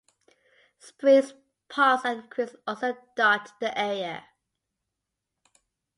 Springs, ponds, and creeks also dot the area.